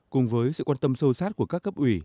cùng với sự quan tâm sâu sát của các cấp ủy